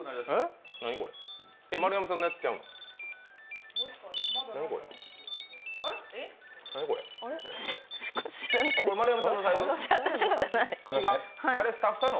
丸山さんのやつちゃうの？